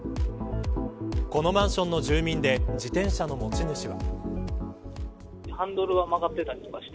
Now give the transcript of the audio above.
このマンションの住民で自転車の持ち主は。